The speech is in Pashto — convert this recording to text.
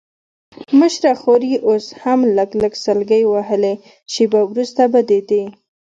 مشره خور یې اوس هم لږ لږ سلګۍ وهلې، شېبه وروسته به د دې.